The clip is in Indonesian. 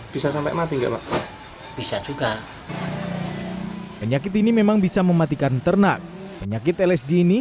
bisa sampai mati kalau bisa suka penyakit ini memang bisa mematikan ternak penyakit lsd ini